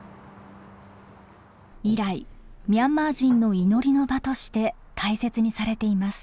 以来ミャンマー人の祈りの場として大切にされています。